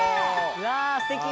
うわすてき！